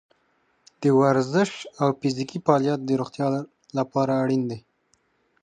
د ورزش او فزیکي فعالیت د روغتیا لپاره اړین دی.